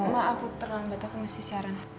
mak aku terlambat aku mesti siaran